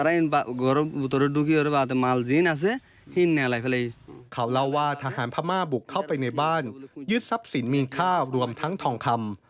ยึดทรัพย์สินมีค่ารวมทั้งทองคำ